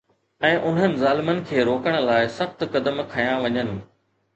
۽ انهن ظالمن کي روڪڻ لاءِ سخت قدم کنيا وڃن